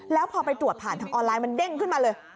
แล้วพอไปตรวจผ่านทางออนไลน์มันเด้งขึ้นมาเลย